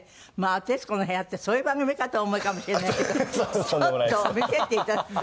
『徹子の部屋』ってそういう番組かとお思いかもしれないけどちょっと見せていただきたい。